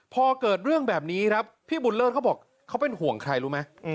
พอเกิดเรื่องแบบนี้ครับพี่บุญเลิศเขาบอกเขาเป็นห่วงใครรู้ไหม